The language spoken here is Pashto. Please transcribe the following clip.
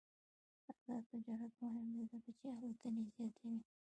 آزاد تجارت مهم دی ځکه چې الوتنې زیاتوي.